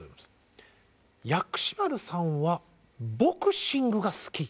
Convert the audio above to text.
「薬師丸さんはボクシングが好き」。